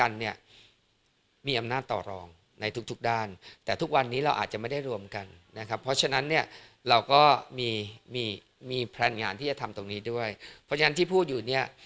แพลนงานที่จะทำตรงนี้ด้วยเพราะฉะนั้นที่พูดอยู่เนี่ย